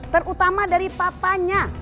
terutama dari papanya